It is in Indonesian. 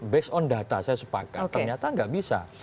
based on data saya sepakat ternyata nggak bisa